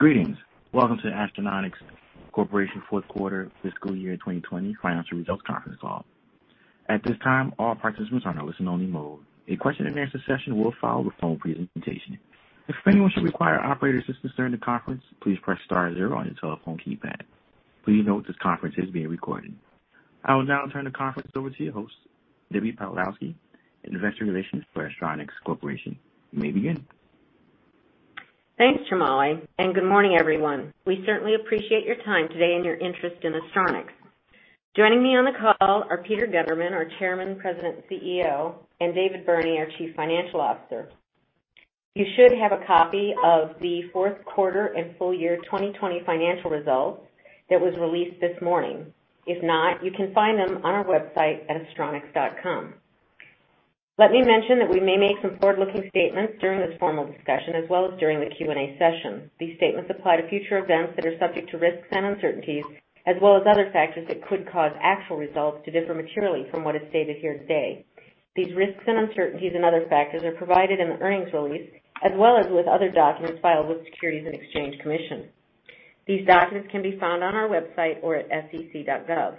Greetings. Welcome to the Astronics Corporation Fourth Quarter Fiscal Year 2020 Financial Results Conference Call. At this time, all participants are in listen-only mode. A question-and-answer session will follow the formal presentation. If anyone should require operator assistance during the conference, please press star zero on your telephone keypad. Please note this conference is being recorded. I will now turn the conference over to your host, Debbie Pawlowski, Investor Relations for Astronics Corporation. You may begin. Thanks, Jamali, and good morning, everyone. We certainly appreciate your time today and your interest in Astronics. Joining me on the call are Peter Gundermann, our Chairman, President, CEO, and David Burney, our Chief Financial Officer. You should have a copy of the Fourth Quarter and Full Year 2020 Financial Results that was released this morning. If not, you can find them on our website at astronics.com. Let me mention that we may make some forward-looking statements during this formal discussion as well as during the Q&A session. These statements apply to future events that are subject to risks and uncertainties, as well as other factors that could cause actual results to differ materially from what is stated here today. These risks and uncertainties and other factors are provided in the earnings release, as well as with other documents filed with the Securities and Exchange Commission. These documents can be found on our website or at sec.gov.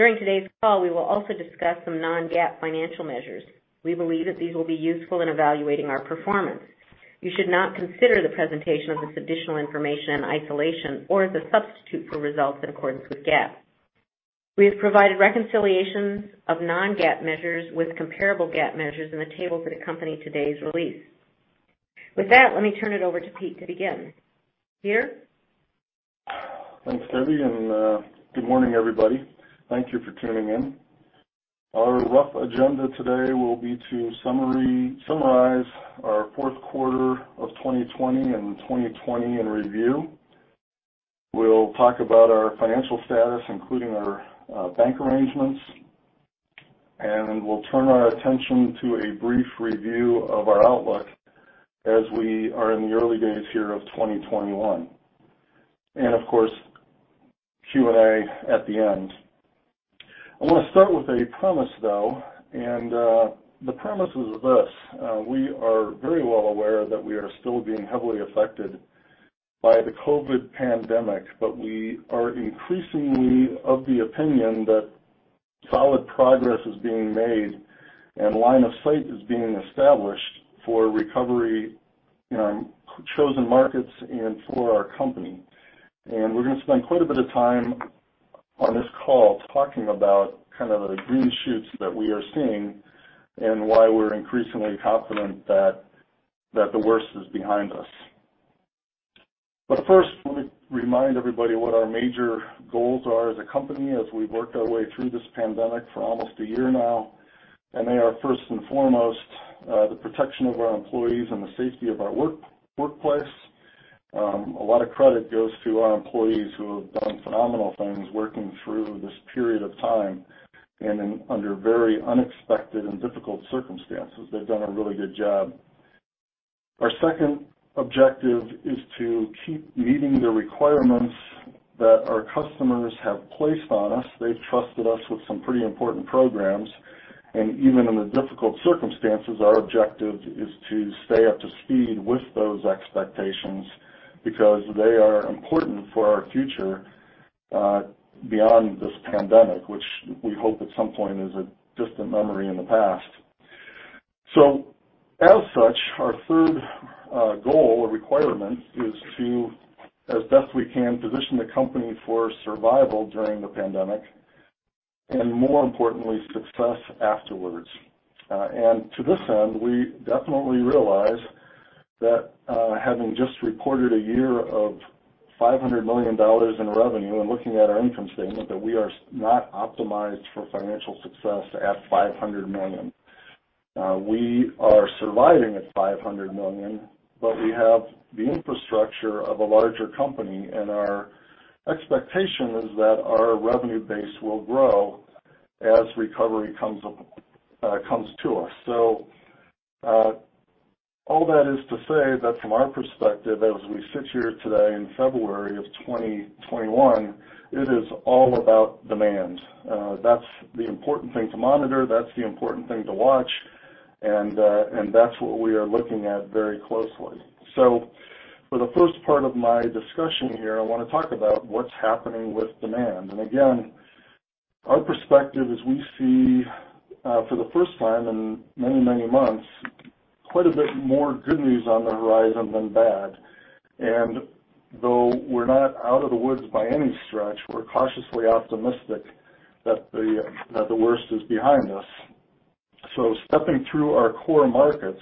During today's call, we will also discuss some non-GAAP financial measures. We believe that these will be useful in evaluating our performance. You should not consider the presentation of this additional information in isolation or as a substitute for results in accordance with GAAP. We have provided reconciliations of non-GAAP measures with comparable GAAP measures in the table that accompany today's release. With that, let me turn it over to Pete to begin. Peter? Thanks, Debbie. Good morning, everybody. Thank you for tuning in. Our rough agenda today will be to summarize our fourth quarter of 2020 and 2020 in review. We'll talk about our financial status, including our bank arrangements, and we'll turn our attention to a brief review of our outlook as we are in the early days here of 2021. Of course, Q&A at the end. I want to start with a premise, though, and the premise is this. We are very well aware that we are still being heavily affected by the COVID pandemic, but we are increasingly of the opinion that solid progress is being made and line of sight is being established for recovery in our chosen markets and for our company. We're going to spend quite a bit of time on this call talking about kind of the green shoots that we are seeing and why we're increasingly confident that the worst is behind us. First, let me remind everybody what our major goals are as a company as we've worked our way through this pandemic for almost a year now, and they are first and foremost, the protection of our employees and the safety of our workplace. A lot of credit goes to our employees who have done phenomenal things working through this period of time, and under very unexpected and difficult circumstances. They've done a really good job. Our second objective is to keep meeting the requirements that our customers have placed on us. They trusted us with some pretty important programs, and even in the difficult circumstances, our objective is to stay up to speed with those expectations because they are important for our future, beyond this pandemic, which we hope at some point is a distant memory in the past. As such, our third goal or requirement is to, as best we can, position the company for survival during the pandemic, and more importantly, success afterwards. To this end, we definitely realize that, having just reported a year of $500 million in revenue and looking at our income statement, that we are not optimized for financial success at $500 million. We are surviving at $500 million, but we have the infrastructure of a larger company, and our expectation is that our revenue base will grow as recovery comes to us. All that is to say that from our perspective, as we sit here today in February of 2021, it is all about demand- that's the important thing to monitor, that's the important thing to watch, and that's what we are looking at very closely. For the first part of my discussion here, I want to talk about what's happening with demand. Again, our perspective is we see, for the first time in many, many months, quite a bit more good news on the horizon than bad. Though we're not out of the woods by any stretch, we're cautiously optimistic that the worst is behind us. Stepping through our core markets,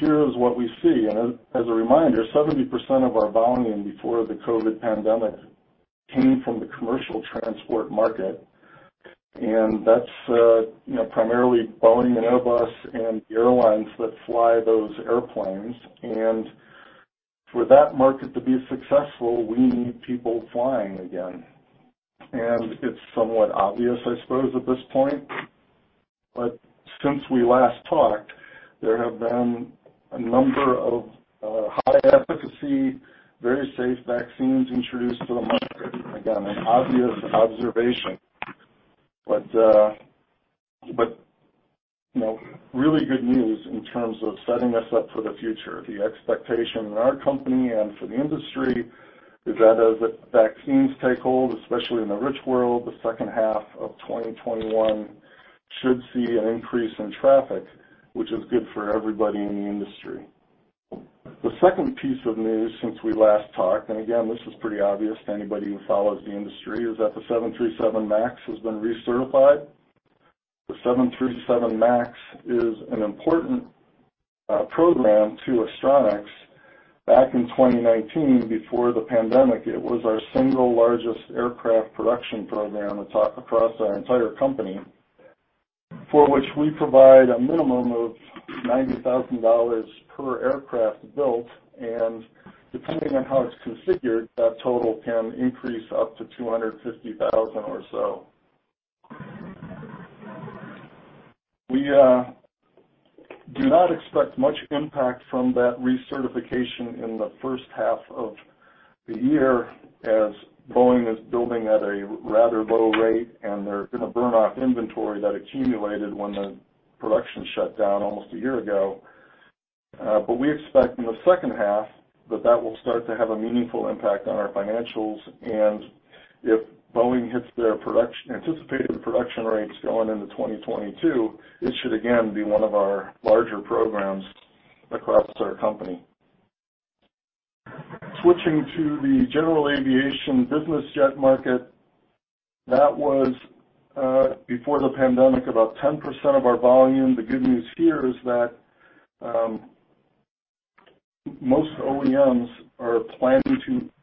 here is what we see. As a reminder, 70% of our volume before the COVID pandemic came from the commercial transport market, and that's primarily Boeing and Airbus and airlines that fly those airplanes. For that market to be successful, we need people flying again. It's somewhat obvious, I suppose, at this point, but since we last talked, there have been a number of high efficacy, very safe vaccines introduced to the market. Again, an obvious observation- but, really good news in terms of setting us up for the future. The expectation in our company and for the industry is that as the vaccines take hold, especially in the rich world, the second half of 2021 should see an increase in traffic, which is good for everybody in the industry. The second piece of news since we last talked- and again, this is pretty obvious to anybody who follows the industry, is that the 737 MAX has been recertified. The 737 MAX is an important program to Astronics. Back in 2019, before the pandemic, it was our single largest aircraft production program across our entire company, for which we provide a minimum of $90,000 per aircraft built, and depending on how it's configured, that total can increase up to $250,000 or so. We do not expect much impact from that recertification in the first half of the year, as Boeing is building at a rather low rate, and they're going to burn off inventory that accumulated when the production shut down almost a year ago. We expect in the second half that that will start to have a meaningful impact on our financials. If Boeing hits their anticipated production rates going into 2022, it should again be one of our larger programs across our company. Switching to the general aviation business jet market. That was, before the pandemic, about 10% of our volume. The good news here is that most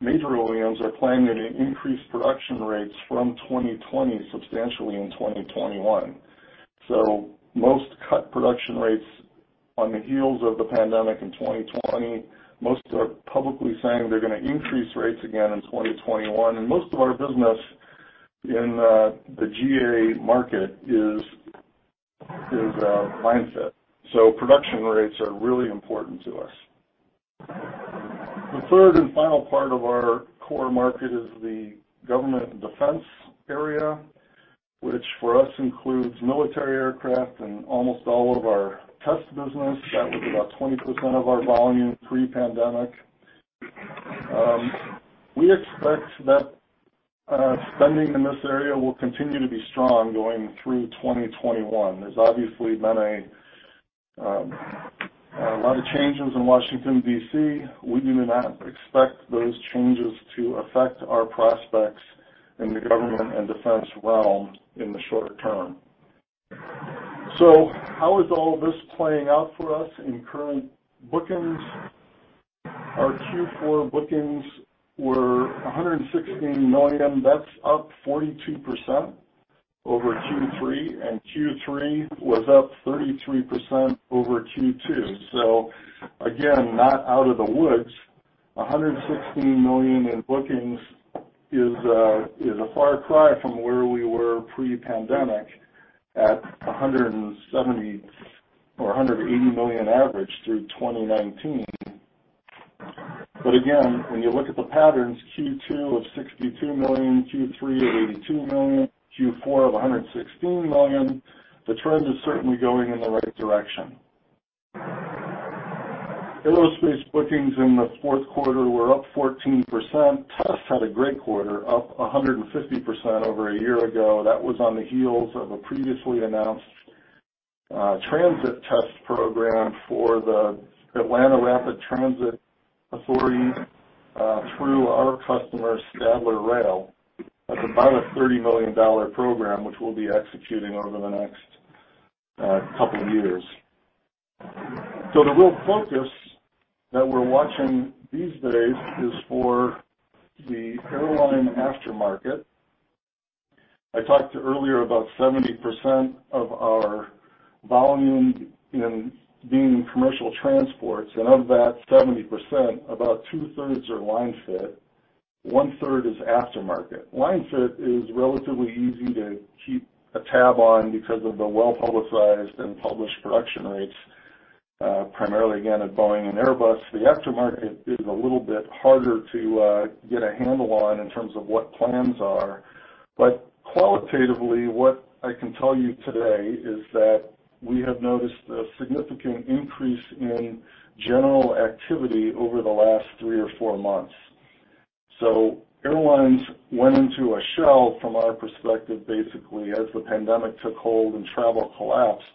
major OEMs are planning to increase production rates from 2020 substantially in 2021. Most cut production rates on the heels of the pandemic in 2020. Most are publicly saying they're going to increase rates again in 2021. Most of our business in the GA market is line fit. Production rates are really important to us. The third and final part of our core market is the government and defense area, which for us includes military aircraft and almost all of our test business. That was about 20% of our volume pre-pandemic. We expect that spending in this area will continue to be strong going through 2021. There's obviously been a lot of changes in Washington, D.C. We do not expect those changes to affect our prospects in the government and defense realm in the short term. How is all this playing out for us in current bookings? Our Q4 bookings were $116 million. That's up 42% over Q3, and Q3 was up 33% over Q2. Again, not out of the woods. $116 million in bookings is a far cry from where we were pre-pandemic at $170 or $180 million average through 2019. Again, when you look at the patterns, Q2 of $62 million, Q3 of $82 million, Q4 of $116 million, the trend is certainly going in the right direction. Aerospace bookings in the fourth quarter were up 14%. Tests had a great quarter, up 150% over a year ago. That was on the heels of a previously announced transit test program for the Atlanta Rapid Transit Authority, through our customer, Stadler Rail. That's about a $30 million program, which we'll be executing over the next couple of years. The real focus that we're watching these days is for the airline aftermarket. I talked earlier about 70% of our volume being in commercial transports, and of that 70%, about two-thirds are line fit, one-third is aftermarket. Line fit is relatively easy to keep a tab on because of the well-publicized and published production rates, primarily again at Boeing and Airbus. The aftermarket is a little bit harder to get a handle on in terms of what plans are. Qualitatively, what I can tell you today is that we have noticed a significant increase in general activity over the last three or four months. Airlines went into a shell, from our perspective, basically, as the pandemic took hold and travel collapsed.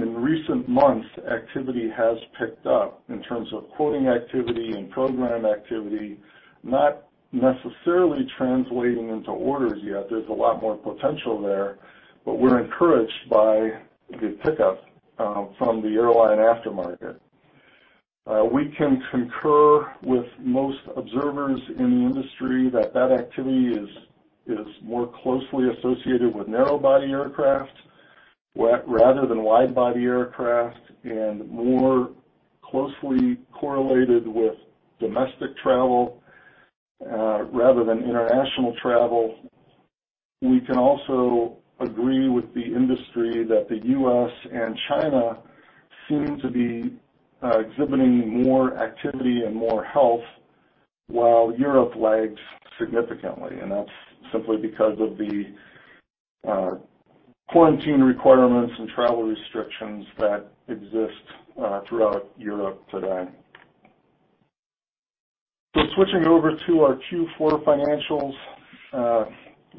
In recent months, activity has picked up in terms of quoting activity and program activity, not necessarily translating into orders yet. There's a lot more potential there, but we're encouraged by the pickup from the airline aftermarket. We can concur with most observers in the industry that that activity is more closely associated with narrow-body aircraft rather than wide-body aircraft and more closely correlated with domestic travel rather than international travel. We can also agree with the industry that the U.S. and China seem to be exhibiting more activity and more health, while Europe lagged significantly, and that's simply because of the quarantine requirements and travel restrictions that exist throughout Europe today. Switching over to our Q4 financials,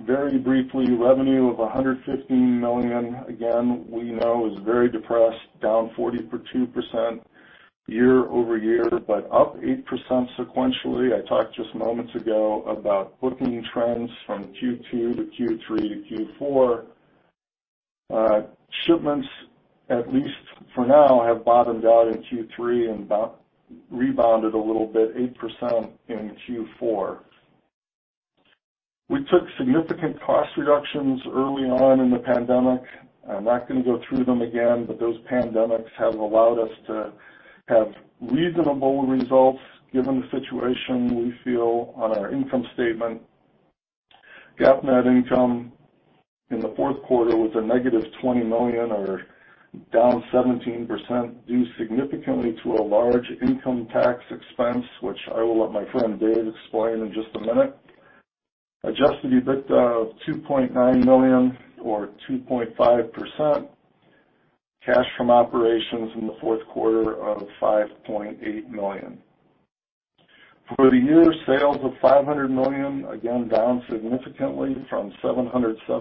very briefly, revenue of $115 million, again, we know is very depressed, down 42% year-over-year, but up 8% sequentially. I talked just moments ago about booking trends from Q2 to Q3 to Q4. Shipments, at least for now, have bottomed out in Q3 and rebounded a little bit, 8% in Q4. We took significant cost reductions early on in the pandemic. I'm not going to go through them again, but those pandemics have allowed us to have reasonable results given the situation we feel on our income statement. GAAP net income in the fourth quarter was a -$20 million or down 17% due significantly to a large income tax expense, which I will let my friend Dave explain in just a minute. Adjusted EBITDA of $2.9 million or 2.5%. Cash from operations in the fourth quarter of $5.8 million. For the year, sales of $500 million, again, down significantly from $773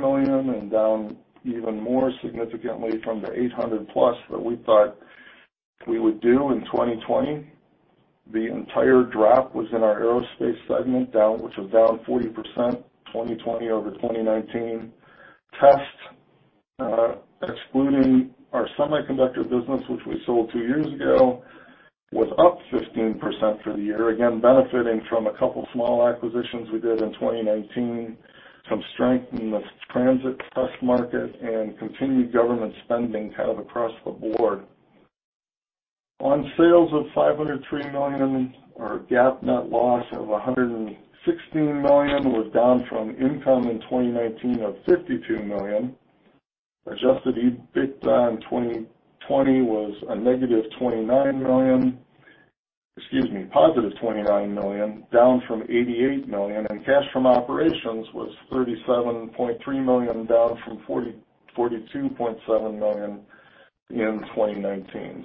million and down even more significantly from the $800 million plus that we thought we would do in 2020. The entire drop was in our aerospace segment, which was down 40% 2020 over 2019. Test, excluding our semiconductor business, which we sold two years ago, was up 15% for the year, again, benefiting from a couple small acquisitions we did in 2019, some strength in the transit test market and continued government spending kind of across the board. On sales of $503 million, our GAAP net loss of $116 million was down from income in 2019 of $52 million. Adjusted EBITDA in 2020 was a -$29 million- excuse me, +$29 million, down from $88 million. Cash from operations was $37.3 million, down from $42.7 million in 2019.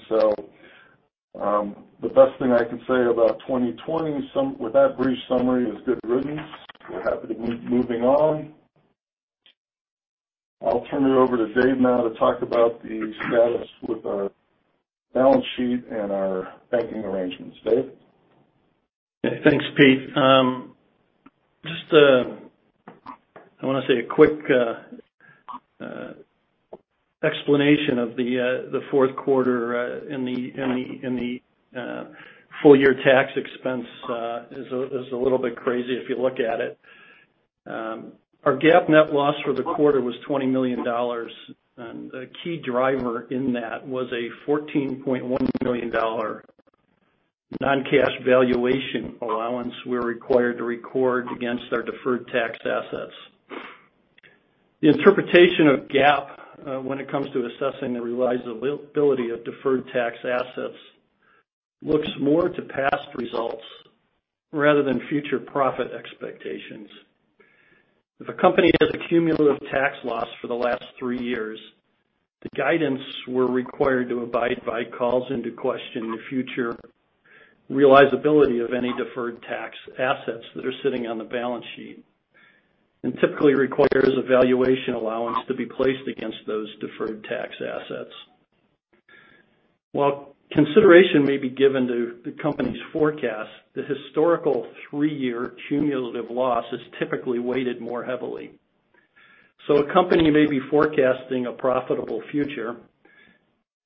The best thing I can say about 2020 with that brief summary is good riddance. We're happy to be moving on. I'll turn it over to Dave now to talk about the status with our balance sheet and our banking arrangements. Dave? Thanks, Pete. I want to say a quick explanation of the fourth quarter and the full-year tax expense is a little bit crazy if you look at it. Our GAAP net loss for the quarter was $20 million. The key driver in that was a $14.1 million non-cash valuation allowance we're required to record against our deferred tax assets. The interpretation of GAAP when it comes to assessing the realizability of deferred tax assets looks more to past results rather than future profit expectations. If a company has a cumulative tax loss for the last three years, the guidance we're required to abide by calls into question the future realizability of any deferred tax assets that are sitting on the balance sheet, and typically requires a valuation allowance to be placed against those deferred tax assets. While consideration may be given to the company's forecast, the historical three-year cumulative loss is typically weighted more heavily. A company may be forecasting a profitable future,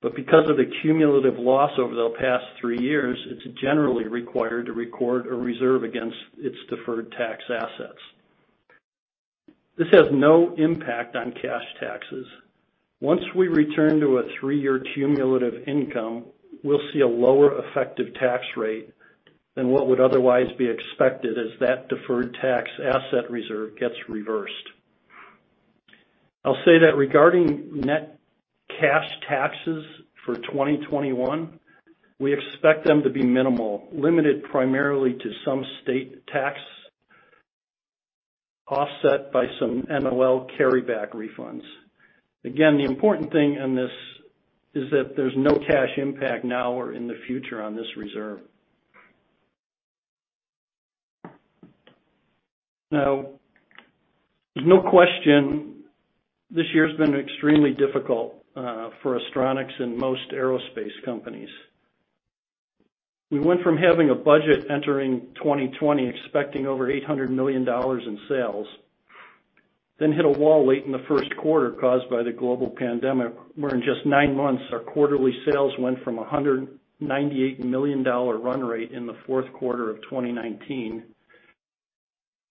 but because of the cumulative loss over the past three years, it's generally required to record a reserve against its deferred tax assets. This has no impact on cash taxes. Once we return to a three-year cumulative income, we'll see a lower effective tax rate than what would otherwise be expected as that deferred tax asset reserve gets reversed. I'll say that regarding net cash taxes for 2021, we expect them to be minimal- limited primarily to some state tax offset by some NOL carryback refunds. Again, the important thing in this is that there's no cash impact now or in the future on this reserve. There's no question this year's been extremely difficult for Astronics and most aerospace companies. We went from having a budget entering 2020 expecting over $800 million in sales, then hit a wall late in the first quarter caused by the global pandemic, where in just nine months, our quarterly sales went from $198 million run rate in the fourth quarter of 2019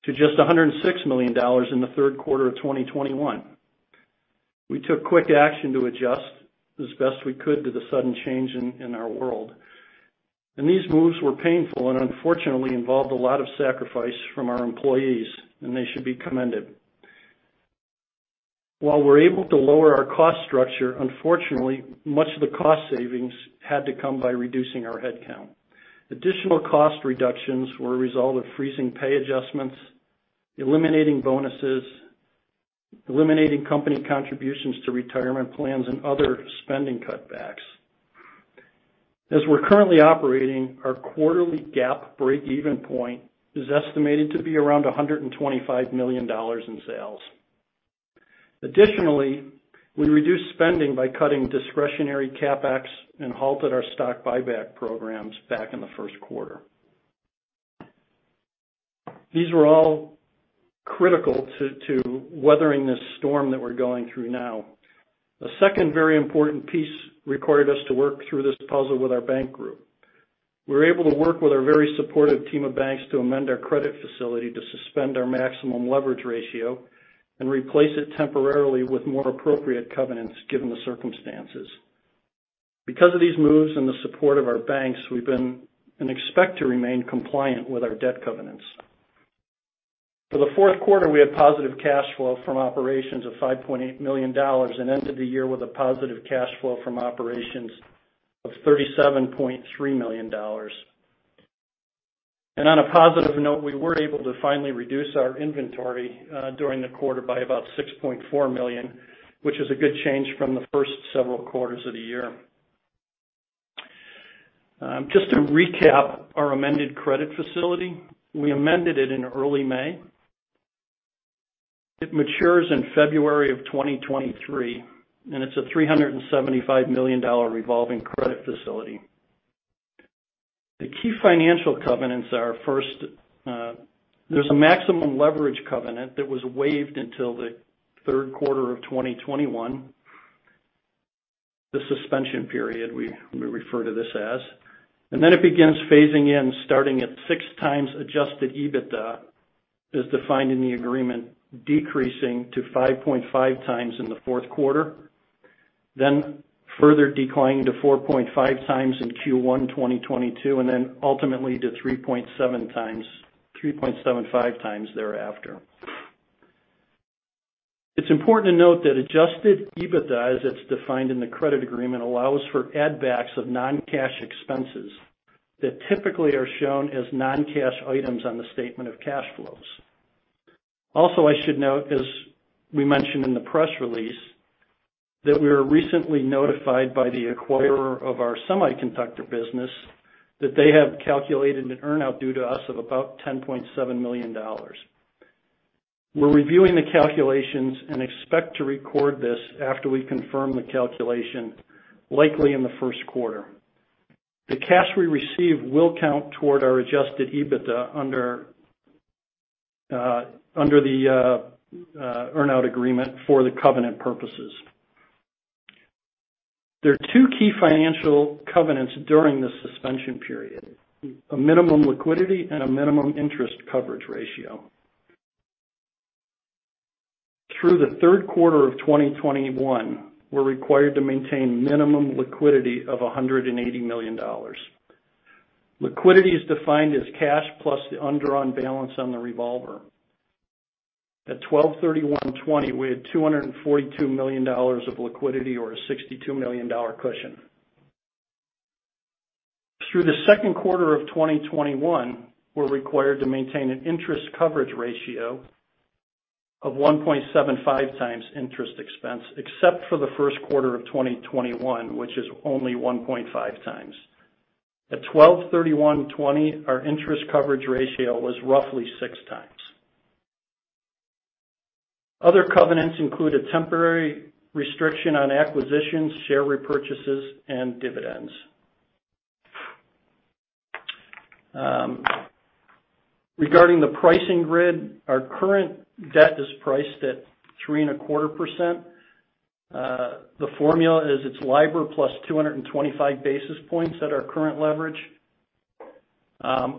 to just $106 million in the third quarter of 2021. We took quick action to adjust as best we could to the sudden change in our world. These moves were painful and unfortunately involved a lot of sacrifice from our employees, and they should be commended. While we're able to lower our cost structure, unfortunately, much of the cost savings had to come by reducing our headcount. Additional cost reductions were a result of freezing pay adjustments, eliminating bonuses, eliminating company contributions to retirement plans, and other spending cutbacks. As we're currently operating, our quarterly GAAP break-even point is estimated to be around $125 million in sales. Additionally, we reduced spending by cutting discretionary CapEx and halted our stock buyback programs back in the first quarter. These were all critical to weathering this storm that we're going through now. The second very important piece required us to work through this puzzle with our bank group. We were able to work with our very supportive team of banks to amend our credit facility to suspend our maximum leverage ratio and replace it temporarily with more appropriate covenants given the circumstances. Because of these moves and the support of our banks, we've been, and expect to remain compliant with our debt covenants. For the fourth quarter, we had positive cash flow from operations of $5.8 million and ended the year with a positive cash flow from operations of $37.3 million. On a positive note, we were able to finally reduce our inventory during the quarter by about $6.4 million, which is a good change from the first several quarters of the year. Just to recap our amended credit facility, we amended it in early May. It matures in February of 2023, and it's a $375 million revolving credit facility. The key financial covenants are, first, there's a maximum leverage covenant that was waived until the third quarter of 2021- the suspension period, we refer to this as. Then it begins phasing in starting at 6x Adjusted EBITDA as defined in the agreement, decreasing to 5.5x in the fourth quarter, then further declining to 4.5x in Q1 2022, and then ultimately to 3.75x thereafter. It's important to note that Adjusted EBITDA as it's defined in the credit agreement allows for add backs of non-cash expenses that typically are shown as non-cash items on the statement of cash flows. I should note, as we mentioned in the press release, that we were recently notified by the acquirer of our semiconductor business that they have calculated an earn-out due to us of about $10.7 million. We're reviewing the calculations and expect to record this after we confirm the calculation, likely in the first quarter. The cash we receive will count toward our Adjusted EBITDA under the earn-out agreement for the covenant purposes. There are two key financial covenants during the suspension period- a minimum liquidity and a minimum interest coverage ratio. Through the third quarter of 2021, we're required to maintain minimum liquidity of $180 million. Liquidity is defined as cash plus the undrawn balance on the revolver. At 12/31/2020, we had $242 million of liquidity or a $62 million cushion. Through the second quarter of 2021, we're required to maintain an interest coverage ratio of 1.75x interest expense, except for the first quarter of 2021, which is only 1.5x. At 12/31/2020, our interest coverage ratio was roughly 6x. Other covenants include a temporary restriction on acquisitions, share repurchases, and dividends. Regarding the pricing grid, our current debt is priced at 3.25%. The formula is it's LIBOR plus 225 basis points at our current leverage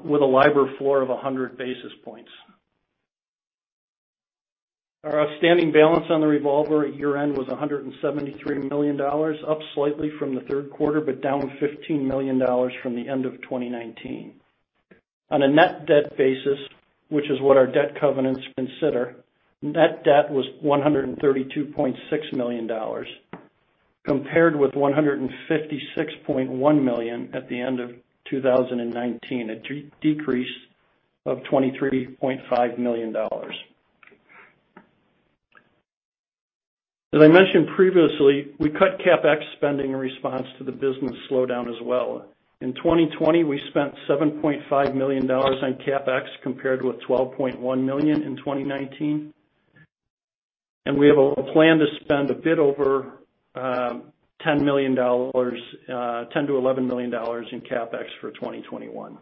with a LIBOR floor of 100 basis points. Our outstanding balance on the revolver at year-end was $173 million, up slightly from the third quarter, but down $15 million from the end of 2019. On a net debt basis, which is what our debt covenants consider, net debt was $132.6 million, compared with $156.1 million at the end of 2019, a decrease of $23.5 million. As I mentioned previously, we cut CapEx spending in response to the business slowdown as well. In 2020, we spent $7.5 million on CapEx, compared with $12.1 million in 2019. We have a plan to spend a bit over $10 million-$11 million in CapEx for 2021.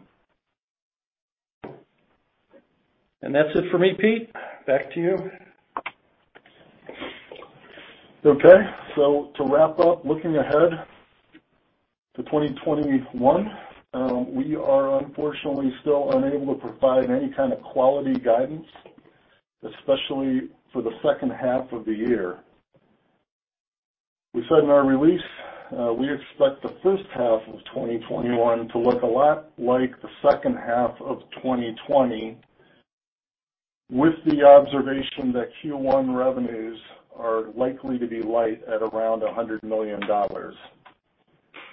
That's it for me, Pete. Back to you. Okay. To wrap up, looking ahead to 2021, we are unfortunately still unable to provide any kind of quality guidance, especially for the second half of the year. We said in our release, we expect the first half of 2021 to look a lot like the second half of 2020, with the observation that Q1 revenues are likely to be light at around $100 million.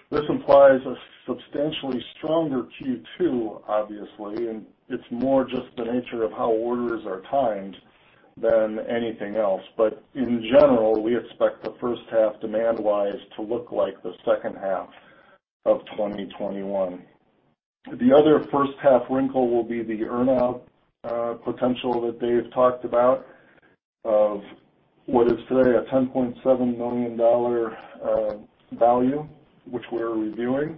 This implies a substantially stronger Q2, obviously, and it's more just the nature of how orders are timed than anything else. In general, we expect the first half, demand-wise, to look like the second half of 2021. The other first half wrinkle will be the earn-out potential that Dave talked about of what is today a $10.7 million value, which we're reviewing.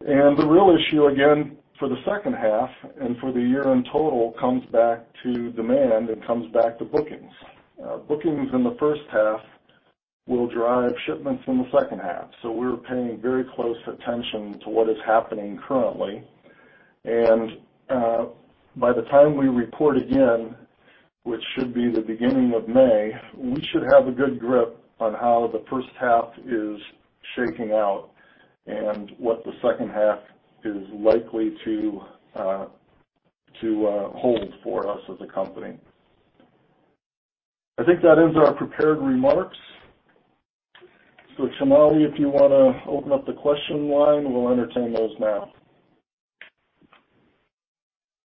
The real issue, again, for the second half and for the year in total, comes back to demand and comes back to bookings. Bookings in the first half will drive shipments in the second half. We're paying very close attention to what is happening currently. By the time we report again, which should be the beginning of May, we should have a good grip on how the first half is shaking out and what the second half is likely to hold for us as a company. I think that ends our prepared remarks. Jamali, if you want to open up the question line, we'll entertain those now.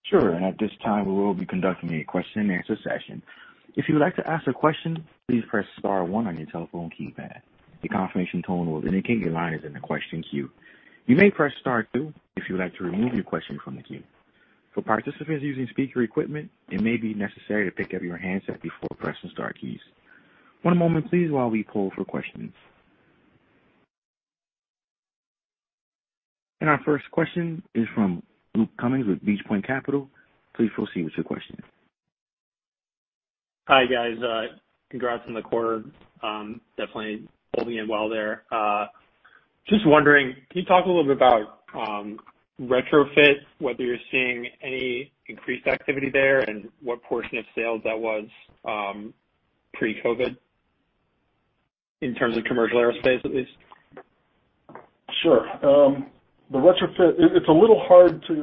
Sure. At this time, we will be conducting a question and answer session. If you would like to ask a question, please press star one on your telephone keypad. The confirmation tone will indicate your line is in the question queue. You may press star two if you would like to remove your question from the queue. For participants using speaker equipment, it may be necessary to pick up your handset before pressing star keys. One moment please, while we poll for questions. Our first question is from Luke Cummings with Beach Point Capital. Please proceed with your question. Hi, guys. Congrats on the quarter. Definitely holding in well there. Just wondering, can you talk a little bit about retrofit- whether you're seeing any increased activity there and what portion of sales that was pre-COVID in terms of commercial aerospace, at least? Sure. The retrofit, it's a little hard to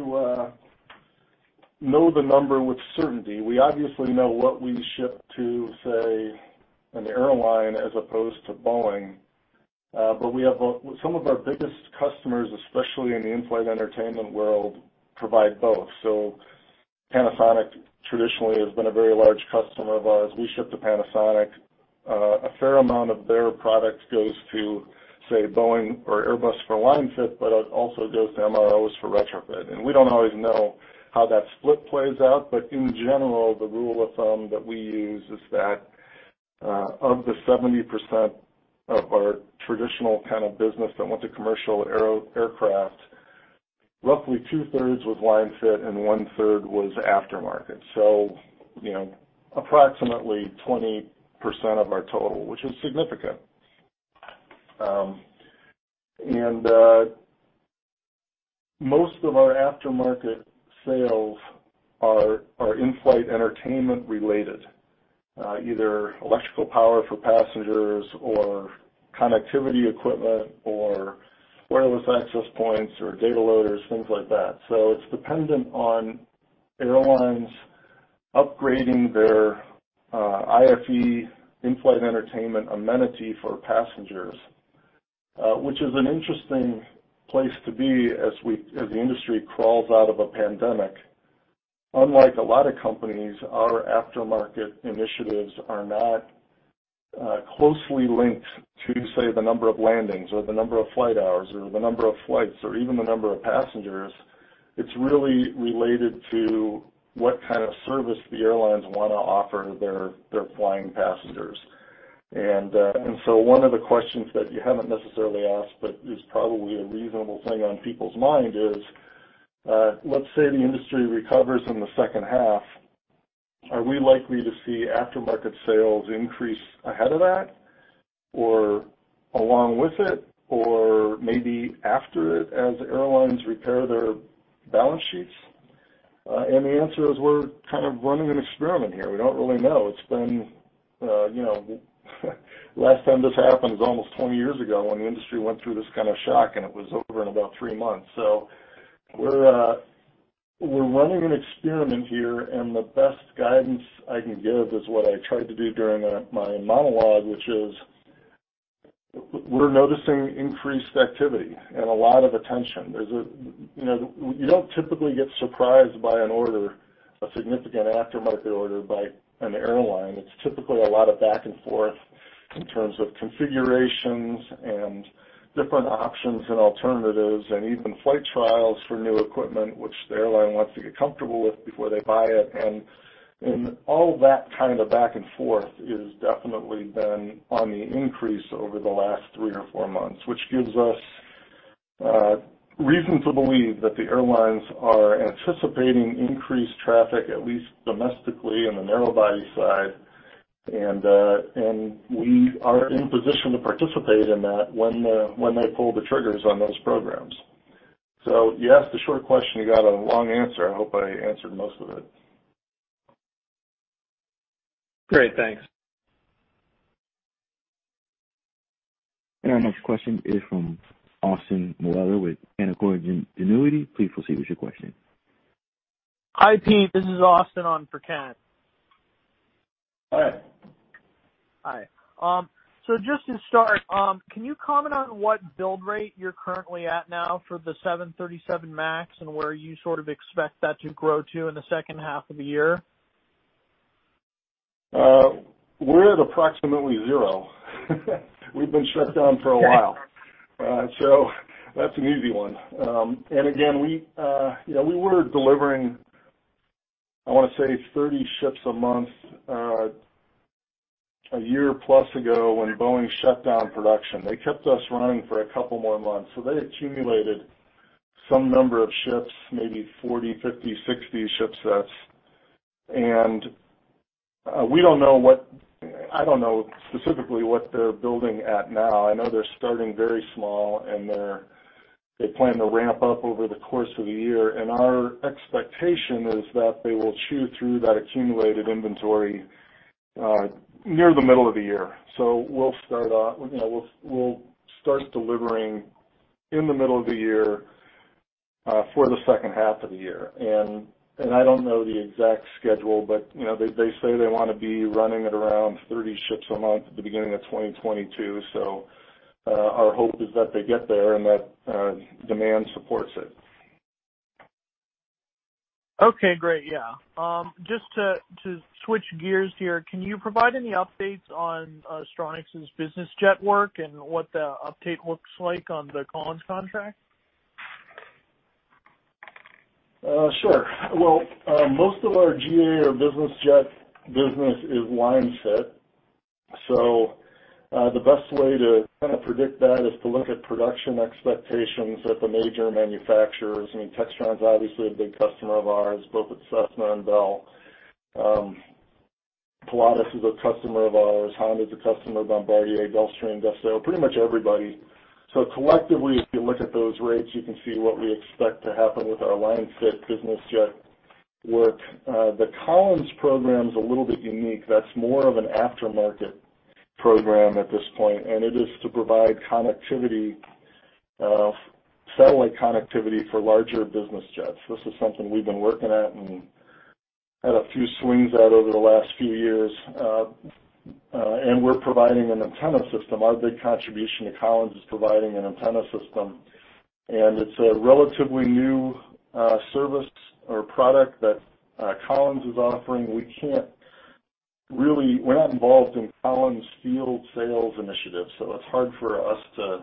know the number with certainty. We obviously know what we ship to, say, an airline as opposed to Boeing. Some of our biggest customers, especially in the in-flight entertainment world, provide both. Panasonic traditionally has been a very large customer of ours- we ship to Panasonic. A fair amount of their product goes to, say, Boeing or Airbus for line fit, but it also goes to MROs for retrofit. We don't always know how that split plays out. In general, the rule of thumb that we use is that, of the 70% of our traditional kind of business that went to commercial aircraft, roughly two-thirds was line fit and one-third was aftermarket. Approximately 20% of our total, which is significant. Most of our aftermarket sales are in-flight entertainment related, either electrical power for passengers or connectivity equipment or wireless access points or data loaders, things like that. It's dependent on airlines upgrading their IFE- in-flight entertainment amenity for passengers, which is an interesting place to be as the industry crawls out of a pandemic. Unlike a lot of companies, our aftermarket initiatives are not closely linked to, say, the number of landings or the number of flight hours or the number of flights or even the number of passengers. It's really related to what kind of service the airlines want to offer their flying passengers. One of the questions that you haven't necessarily asked, but is probably a reasonable thing on people's mind is, let's say the industry recovers in the second half, are we likely to see aftermarket sales increase ahead of that or along with it or maybe after it as airlines repair their balance sheets? The answer is we're kind of running an experiment here. We don't really know. The last time this happened was almost 20 years ago when the industry went through this kind of shock, and it was over in about three months. We're running an experiment here, and the best guidance I can give is what I tried to do during my monologue, which is we're noticing increased activity and a lot of attention. You don't typically get surprised by an order- a significant aftermarket order by an airline. It's typically a lot of back and forth in terms of configurations and different options and alternatives and even flight trials for new equipment, which the airline wants to get comfortable with before they buy it. All that kind of back and forth is definitely been on the increase over the last three or four months, which gives us reason to believe that the airlines are anticipating increased traffic, at least domestically on the narrow-body side. We are in position to participate in that when they pull the triggers on those programs. You asked a short question, you got a long answer. I hope I answered most of it. Great. Thanks. Our next question is from Austin Moeller with Canaccord Genuity. Please proceed with your question. Hi, team. This is Austin on for Ken. Hi. Hi. Just to start, can you comment on what build rate you're currently at now for the 737 MAX, and where you sort of expect that to grow to in the second half of the year? We're at approximately zero. We've been shut down for a while. That's an easy one. Again, we were delivering, I want to say, 30 ships a month a year plus ago when Boeing shut down production. They kept us running for a couple more months. They accumulated some number of ships, maybe 40, 50, 60 ship sets, and I don't know specifically what they're building at now. I know they're starting very small, and they plan to ramp up over the course of the year. Our expectation is that they will chew through that accumulated inventory near the middle of the year. We'll start delivering in th middle of the year for the second half of the year. I don't know the exact schedule, but they say they want to be running at around 30 ships a month at the beginning of 2022. Our hope is that they get there and that demand supports it. Okay, great. Yeah. Just to switch gears here, can you provide any updates on Astronics' business jet work and what the uptake looks like on the Collins contract? Sure. Well, most of our GA or business jet business is line fit. The best way to kind of predict that is to look at production expectations at the major manufacturers. I mean- Textron's obviously a big customer of ours, both with Cessna and Bell. Pilatus is a customer of ours. Honda's a customer- Bombardier, Gulfstream, Dassault, pretty much everybody. Collectively, if you look at those rates, you can see what we expect to happen with our line fit business jet work. The Collins program's a little bit unique. That's more of an aftermarket program at this point, and it is to provide satellite connectivity for larger business jets. This is something we've been working at and had a few swings at over the last few years. We're providing an antenna system. Our big contribution to Collins is providing an antenna system, and it's a relatively new service or product that Collins is offering. We're not involved in Collins' field sales initiative, it's hard for us to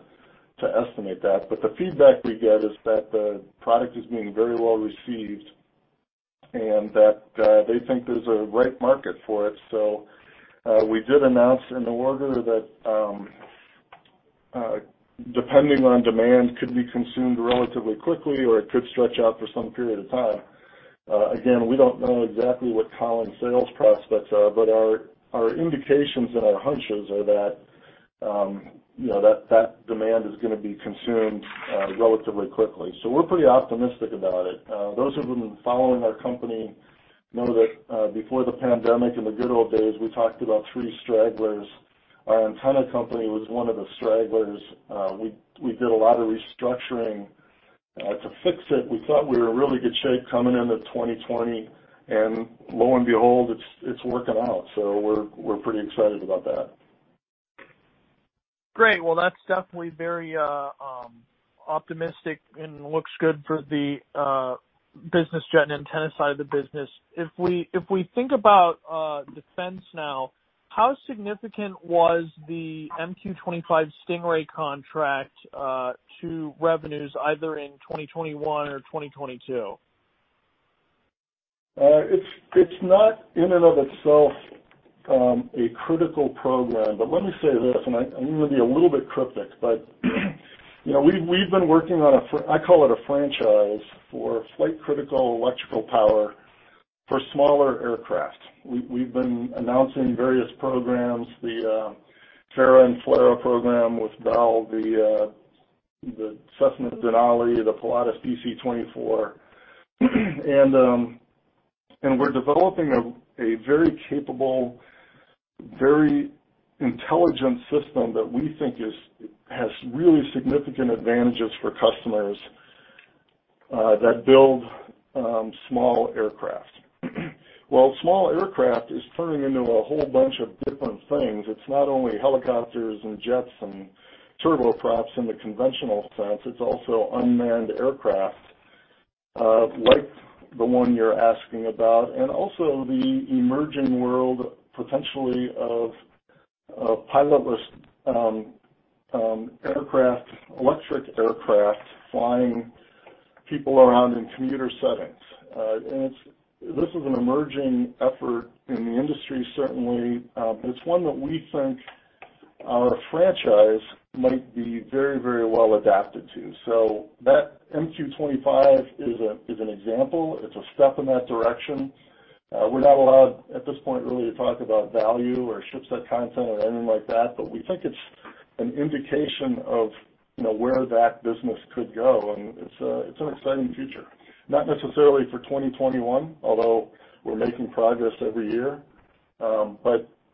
estimate that. The feedback we get is that the product is being very well received, and that they think there's a right market for it. We did announce in the order that, depending on demand, could be consumed relatively quickly, or it could stretch out for some period of time. Again, we don't know exactly what Collins sales prospects are, but our indications and our hunches are that demand is going to be consumed relatively quickly. We're pretty optimistic about it. Those who have been following our company know that, before the pandemic, in the good old days, we talked about three stragglers. Our antenna company was one of the stragglers. We did a lot of restructuring, to fix it. We thought we were in really good shape coming into 2020, and lo and behold, it's working out. We're pretty excited about that. Great. Well, that's definitely very optimistic and looks good for the business jet and antenna side of the business. If we think about defense now, how significant was the MQ-25 Stingray contract to revenues, either in 2021 or 2022? It's not in and of itself a critical program- but, let me say this, and I'm going to be a little bit cryptic, but we've been working on a, I call it a franchise, for flight critical electrical power for smaller aircraft. We've been announcing various programs, the Tiltrotor and FLRAA program with Bell, the Cessna's Denali, the Pilatus PC-24. We're developing a very capable, very intelligent system that we think has really significant advantages for customers that build small aircraft. Well, small aircraft is turning into a whole bunch of different things. It's not only helicopters and jets and turboprops in the conventional sense, it's also unmanned aircraft, like the one you're asking about, and also the emerging world, potentially, of pilotless aircraft, electric aircraft, flying people around in commuter settings. This is an emerging effort in the industry, certainly, but it's one that we think our franchise might be very well adapted to. That MQ-25 is an example- it's a step in that direction. We're not allowed, at this point, really to talk about value or ship set content or anything like that, but we think it's an indication of where that business could go, and it's an exciting future. Not necessarily for 2021, although we're making progress every year.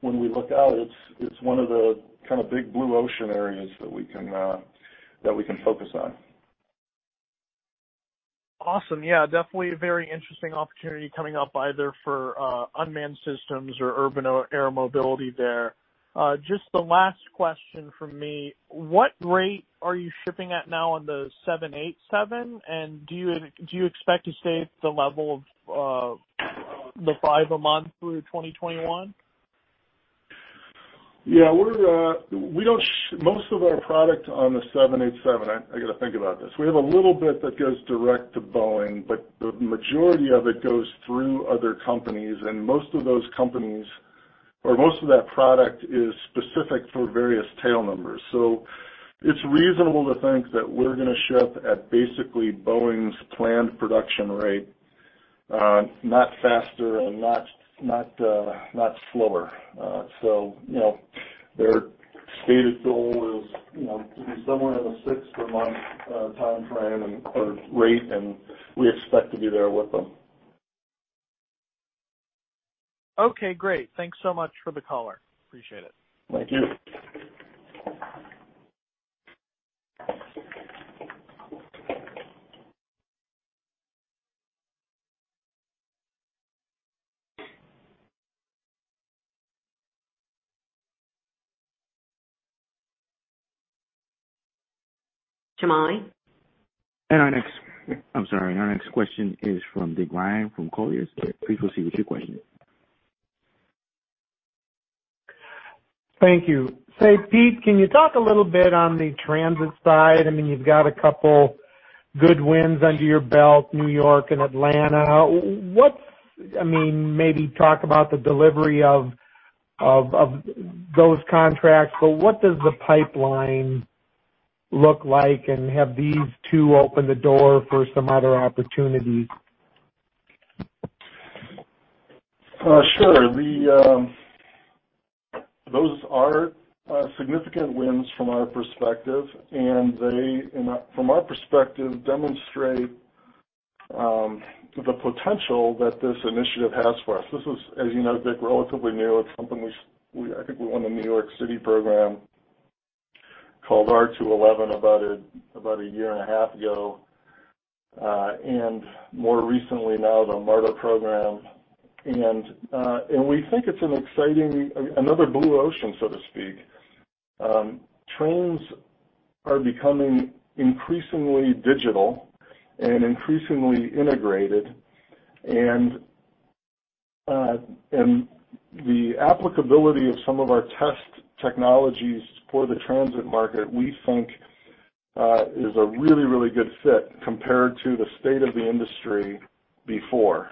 When we look out, it's one of the kind of big blue ocean areas that we can focus on. Awesome. Yeah, definitely a very interesting opportunity coming up either for unmanned systems or urban air mobility there. Just the last question from me, what rate are you shipping at now on the 787, and do you expect to stay at the level of the five a month through 2021? Yeah. Most of our product on the 787- I got to think about this. We have a little bit that goes direct to Boeing, but the majority of it goes through other companies, and most of those companies or most of that product is specific for various tail numbers. It's reasonable to think that we're going to ship at basically Boeing's planned production rate, not faster and not slower. Their stated goal is to be somewhere in the six per month timeframe or rate, and we expect to be there with them. Okay, great. Thanks so much for the color. Appreciate it. Thank you. Jamal. I'm sorry. Our next question is from Dick Ryan from Colliers. Please proceed with your question. Thank you. Say, Pete, can you talk a little bit on the transit side? You've got a couple good wins under your belt- New York and Atlanta. Maybe talk about the delivery of those contracts, but what does the pipeline look like, and have these two opened the door for some other opportunities? Sure. Those are significant wins from our perspective, and they, from our perspective, demonstrate the potential that this initiative has for us. This is, as you know, Dick, relatively new- it's something which I think we won the New York City program called R211 about a year and a half ago. More recently now, the MARTA program. We think it's an exciting, another blue ocean, so to speak. Trains are becoming increasingly digital and increasingly integrated. The applicability of some of our test technologies for the transit market, we think, is a really good fit compared to the state of the industry before.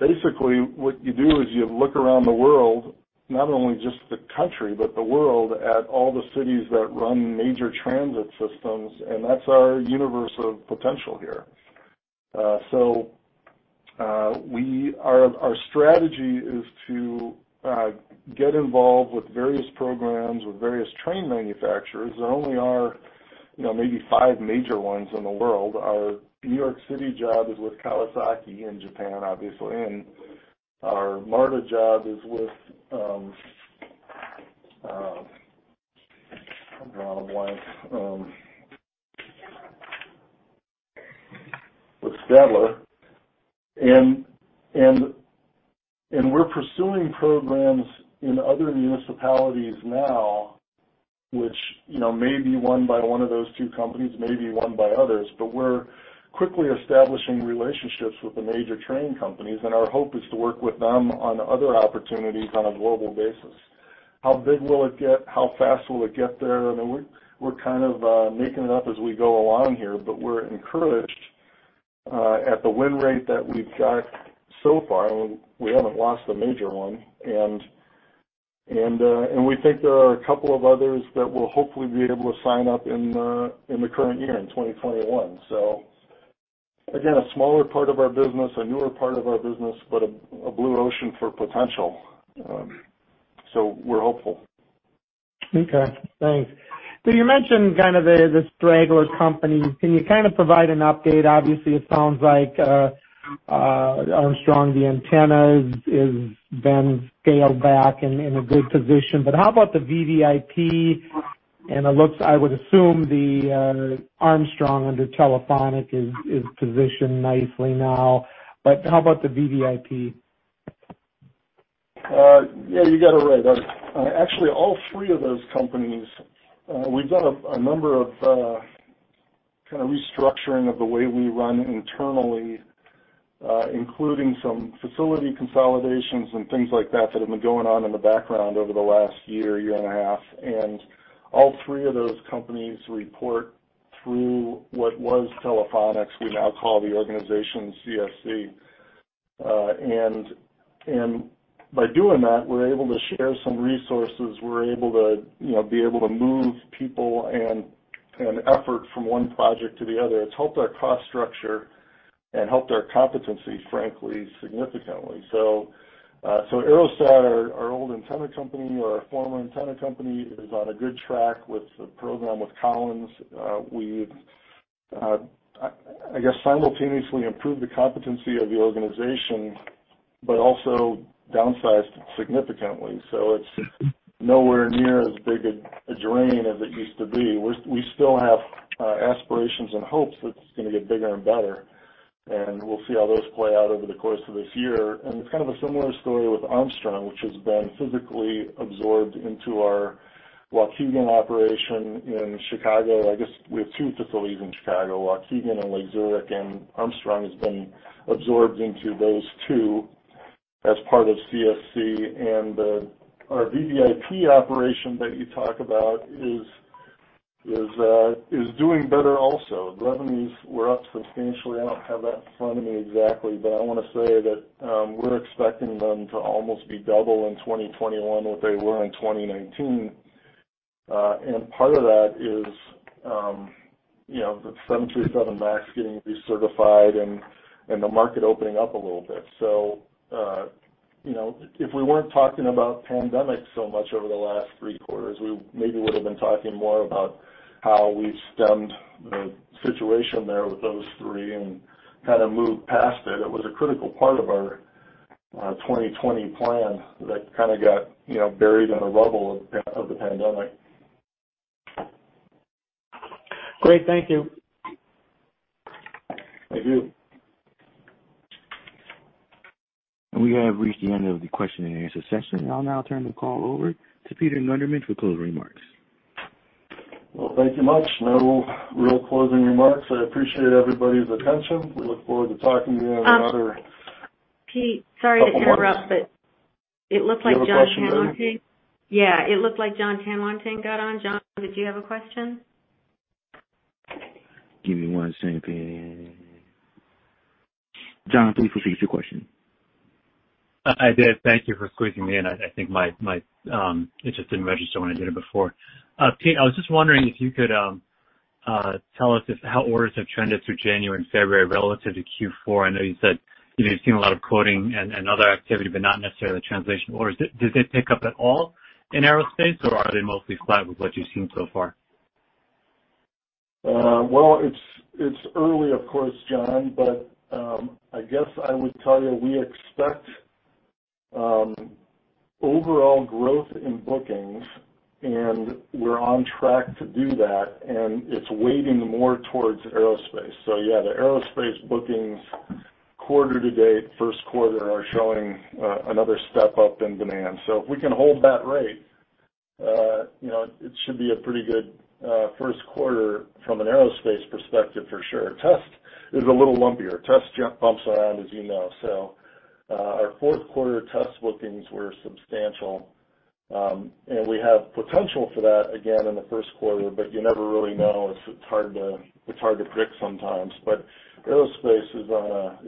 Basically, what you do is you look around the world, not only just the country, but the world, at all the cities that run major transit systems, and that's our universe of potential here. Our strategy is to get involved with various programs, with various train manufacturers. There only are maybe five major ones in the world. Our New York City job is with Kawasaki in Japan, obviously, and our MARTA job is with, I'm drawing a blank- with Stadler. We're pursuing programs in other municipalities now, which may be won by one of those two companies, may be won by others, but we're quickly establishing relationships with the major train companies, and our hope is to work with them on other opportunities on a global basis. How big will it get? How fast will it get there? We're kind of making it up as we go along here, but we're encouraged at the win rate that we've got so far. We haven't lost a major one. We think there are a couple of others that we'll hopefully be able to sign up in the current year, in 2021. Again, a smaller part of our business, a newer part of our business, but a blue ocean for potential. We're hopeful. Okay, thanks. You mentioned kind of the stragglers companies. Can you kind of provide an update? Obviously, it sounds like Armstrong- the antennas is then scaled back and in a good position. How about the VVIP? It looks, I would assume the Armstrong under Telefonix is positioned nicely now. How about the VVIP? Yeah, you got it right. Actually, all three of those companies, we've done a number of kind of restructuring of the way we run internally, including some facility consolidations and things like that that have been going on in the background over the last year and a half. All three of those companies report through what was Telefonix. We now call the organization CSC. By doing that, we're able to share some resources. We're able to be able to move people and effort from one project to the other. It's helped our cost structure and helped our competencies, frankly, significantly. AeroSat, our old antenna company, or our former antenna company, is on a good track with the program with Collins. We've, I guess, simultaneously improved the competency of the organization, but also downsized significantly. It's nowhere near as big a drain as it used to be. We still have aspirations and hopes that it's going to get bigger and better, and we'll see how those play out over the course of this year. It's kind of a similar story with Armstrong, which has been physically absorbed into our Waukegan operation in Chicago. I guess we have two facilities in Chicago- Waukegan and Lake Zurich, and Armstrong has been absorbed into those two as part of CSC. Our VVIP operation that you talk about is doing better also. Revenues were up substantially. I don't have that in front of me exactly, but I want to say that we're expecting them to almost be double in 2021 what they were in 2019. Part of that is the 737 MAX getting recertified and the market opening up a little bit. If we weren't talking about pandemic so much over the last three quarters, we maybe would've been talking more about how we've stemmed the situation there with those three and kind of moved past it. It was a critical part of our 2020 plan that kind of got buried in the rubble of the pandemic. Great. Thank you. Thank you. We have reached the end of the question and answer session. I'll now turn the call over to Peter Gundermann for closing remarks. Well, thank you much. No real closing remarks. I appreciate everybody's attention. We look forward to talking to you in another- Pete, sorry to interrupt.... -couple months. ...it looked like Jon Tanwanteng. You have a question, Debbie? Yeah. It looked like Jon Tanwanteng got on. Jon, did you have a question? Give me one second. Jon, please proceed with your question. I did. Thank you for squeezing me in. I think- it just didn't register when I did it before. Pete, I was just wondering if you could tell us how orders have trended through January and February relative to Q4. I know you said that you've seen a lot of quoting and other activity, but not necessarily the translation orders. Did they pick up at all in aerospace, or are they mostly flat with what you've seen so far? It's early, of course, Jon, I guess I would tell you we expect overall growth in bookings, we're on track to do that, it's weighting more towards aerospace. The aerospace bookings quarter to date, first quarter, are showing another step-up in demand. If we can hold that rate, it should be a pretty good first quarter from an aerospace perspective, for sure. Test is a little lumpier. Test bumps around, as you know. Our fourth quarter test bookings were substantial- we have potential for that again in the first quarter, you never really know. It's hard to predict sometimes. Aerospace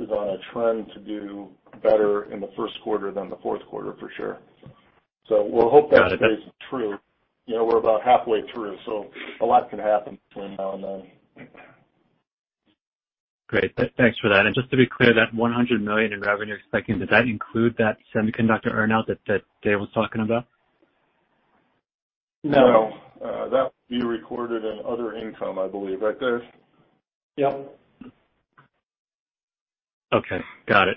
is on a trend to do better in the first quarter than the fourth quarter, for sure. We'll hope that stays true. We're about halfway through, a lot can happen between now and then. Great. Thanks for that. Just to be clear, that $100 million in revenue you're expecting, does that include that semiconductor earn-out that Dave was talking about? No. No. That would be recorded in other income, I believe. Right, Dave? Yep. Okay. Got it.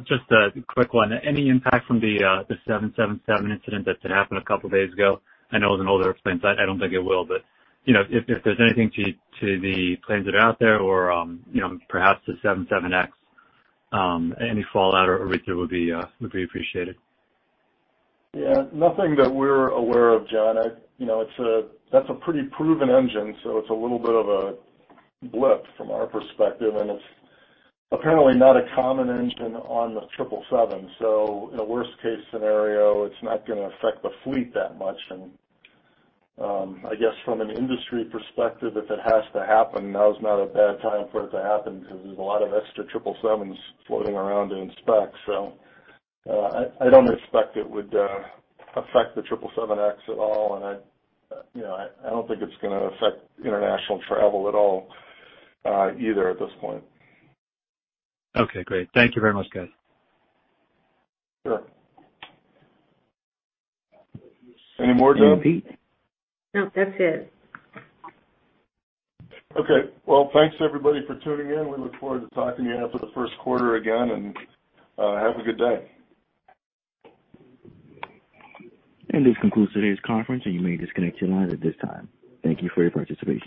Just a quick one. Any impact from the 777 incident that happened a couple of days ago? I know as an older plane, I don't think it will, but if there's anything to the planes that are out there or perhaps the 777X- any fallout or [for it will]- there would be appreciated. Yeah. Nothing that we're aware of, Jon. That's a pretty proven engine, so it's a little bit of a blip from our perspective, and it's apparently not a common engine on the 777. In a worst-case scenario, it's not going to affect the fleet that much. I guess from an industry perspective, if it has to happen- now's not a bad time for it to happen because there's a lot of extra 777s floating around in stock. I don't expect it would affect the 777X at all, and I don't think it's going to affect international travel at all either at this point. Okay, great. Thank you very much, guys. Sure. Any more, Deb? No, that's it. Okay. Well, thanks everybody for tuning in. We look forward to talking to you after the first quarter again, and have a good day. This concludes today's conference, you may disconnect your lines at this time. Thank you for your participation.